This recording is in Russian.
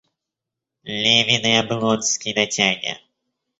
Левин и Облонский на тяге.